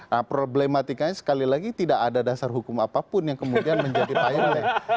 nah problematikanya sekali lagi tidak ada dasar hukum apapun yang kemudian menjadi pilot